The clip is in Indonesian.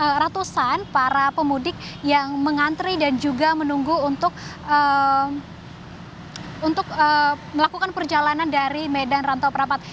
dan juga ada ratusan para pemudik yang mengantri dan juga menunggu untuk melakukan perjalanan dari medan rantau prapat